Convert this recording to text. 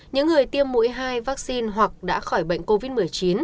những người tiêm mũi hai vaccine hoặc đã khỏi bệnh covid một mươi chín